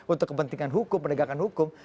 untuk kepentingan hukum penegakan hukum